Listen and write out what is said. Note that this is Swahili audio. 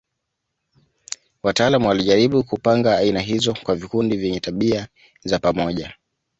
Wataalamu walijaribu kupanga aina hizo kwa vikundi vyenye tabia za pamoja.